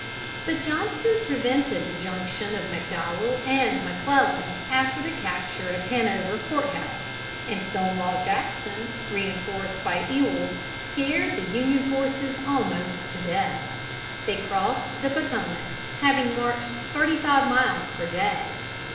But Johnston prevented the junction of McDowell and McClellan after the capture of Hanover Court House, and Stonewall Jackson, reinforced by Ewell, scared the Union forces almost to death. They crossed the Potomac, having marched thirty five miles per day.